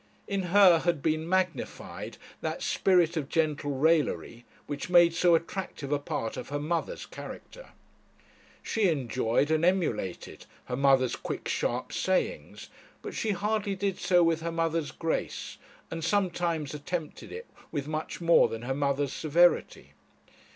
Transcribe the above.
In her had been magnified that spirit of gentle raillery which made so attractive a part of her mother's character. She enjoyed and emulated her mother's quick sharp sayings, but she hardly did so with her mother's grace, and sometimes attempted it with much more than her mother's severity.